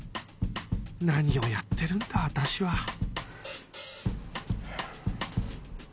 何をやってるんだ私は